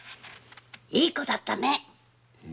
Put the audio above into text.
いい子だったね。